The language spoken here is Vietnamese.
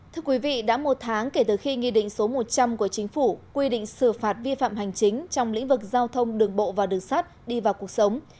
thưa quý vị đã một tháng kể từ khi nghị định số một trăm linh của chính phủ quy định xử phạt vi phạm hành chính trong lĩnh vực giao thông đường bộ và đường sắt đi vào cuộc sống